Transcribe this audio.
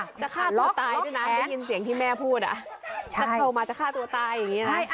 จะฆ่าตัวตายด้วยน่ะไม่ยินเสียงที่แม่พูดอ่ะใช่ถ้าเข้ามาจะฆ่าตัวตายอย่างงี้น่ะ